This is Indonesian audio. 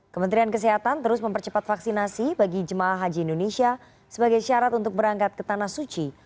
kementerian kesehatan terus mempercepat vaksinasi bagi jemaah haji indonesia sebagai syarat untuk berangkat ke tanah suci